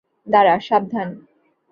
দাঁড়া, সাবধান।